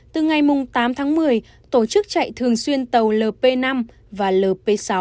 từ ngày tám tháng một mươi tổ chức chạy thường xuyên tàu lp năm và lp sáu